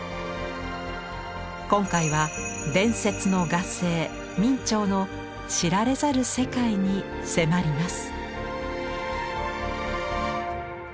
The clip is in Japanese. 今回は伝説の画聖・明兆の知られざる世界に迫ります。